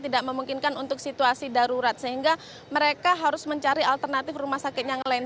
tidak memungkinkan untuk situasi darurat sehingga mereka harus mencari alternatif rumah sakit yang lain